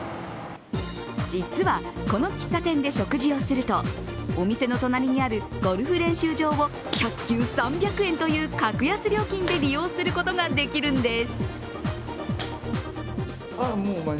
実は、この喫茶店で食事をするとお店の隣にあるゴルフ練習場を１００球３００円という格安料金で利用することができるんです。